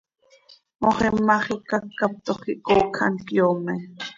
Moxima xiica ccaptoj quih coocj hant cöyoome.